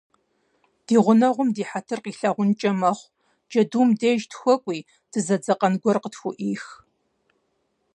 Ди гъунэгъум ди хьэтыр къилъагъункӏэ мэхъу: джэдум деж тхуэкӏуи, дызэдзэкъэн гуэр къытхуеӏых.